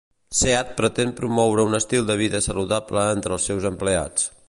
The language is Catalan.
Seat pretén promoure un estil de vida saludable entre els seus empleats.